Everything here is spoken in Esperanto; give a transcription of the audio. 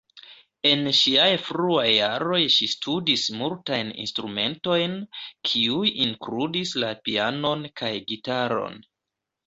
En ŝiaj fruaj jaroj ŝi studis multajn instrumentojn, kiuj inkludis la pianon kaj gitaron.